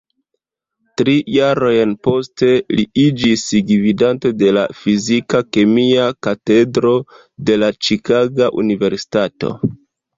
Tri jarojn poste, li iĝis gvidanto de la fizika-kemia katedro de la Ĉikaga Universitato.